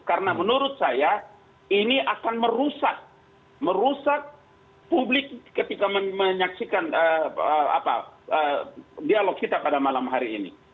karena menurut saya ini akan merusak merusak publik ketika menyaksikan dialog kita pada malam hari ini